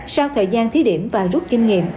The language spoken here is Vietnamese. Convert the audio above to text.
sau thời gian thí điểm và rút kinh nghiệm